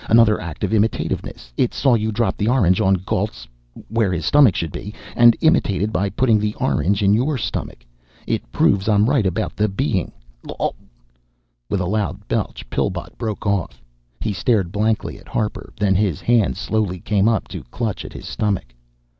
"Another act of imitativeness. It saw you drop the orange on Gault's where his stomach should be, and imitated by putting the orange in your stomach. It proves I'm right about the Being glug!" With a loud belch, Pillbot broke off. He stared blankly at Harper, then his hands slowly came up to clutch at his stomach.